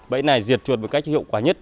bẫy này diệt chuột một cách hiệu quả nhất